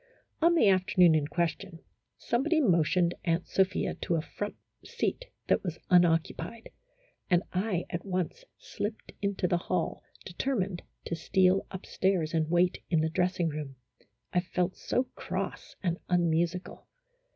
On the afternoon in question, somebody motioned Aunt Sophia to a front seat that was unoccupied, and I at once slipped into the hall, determined to steal up stairs and wait in the dressing room, I felt so cross and unmusical.